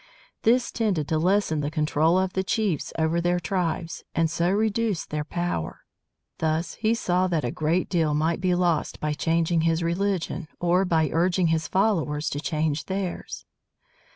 This tended to lessen the control of the chiefs over their tribes, and so reduced their power. Thus he saw that a great deal might be lost by changing his religion, or by urging his followers to change theirs.